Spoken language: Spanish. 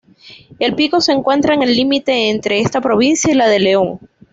El pico se encuentra en el límite entre esta provincia y la de León.